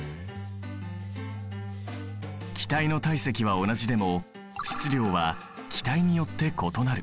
気体の体積は同じでも質量は気体によって異なる。